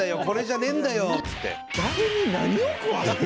これじゃねえんだよ」っつって。